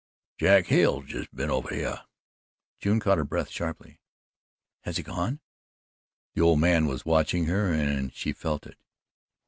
"Jack Hale's jus' been over hyeh." June caught her breath sharply. "Has he gone?" The old man was watching her and she felt it.